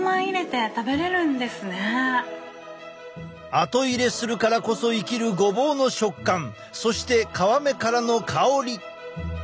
あと入れするからこそ生きるごぼうの食感そして皮目からの香り！